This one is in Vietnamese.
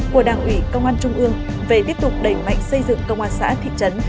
của đảng ủy công an trung ương về tiếp tục đẩy mạnh xây dựng công an xã thị trấn